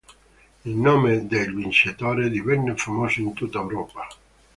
Il nome del vincitore divenne famoso in tutta Europa.